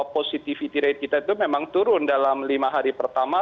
positivity rate kita itu memang turun dalam lima hari pertama